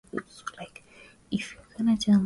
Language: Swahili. ilipatikana mifupa ilikuwa inafanana na twiga